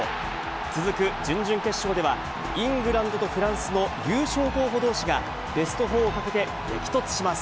続く準々決勝では、イングランドとフランスの優勝候補どうしが、ベスト４をかけて激突します。